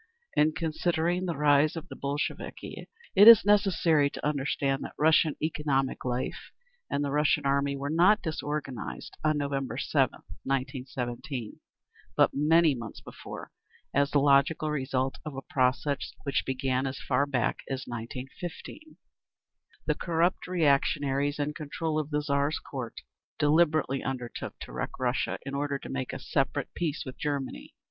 In considering the rise of the Bolsheviki it is necessary to understand that Russian economic life and the Russian army were not disorganised on November 7th, 1917, but many months before, as the logical result of a process which began as far back as 1915. The corrupt reactionaries in control of the Tsar's Court deliberately undertook to wreck Russia in order to make a separate peace with Germany.